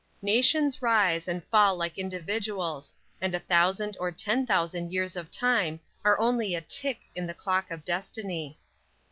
Nations rise and fall like individuals, and a thousand or ten thousand years of time are only a "tick" in the clock of destiny.